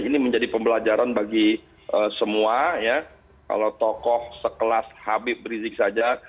ini menjadi pembelajaran bagi semua ya kalau tokoh sekelas habib rizik saja